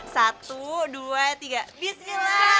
satu dua tiga bismillah